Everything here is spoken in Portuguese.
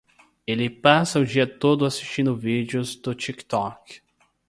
Ele passa o dia todo assistindo vídeos do TikTok.